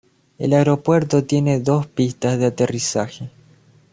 El aeropuerto tiene dos pistas de aterrizaje.